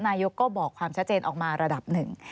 นายกก็บอกความชัดเจนออกมาระดับหนึ่ง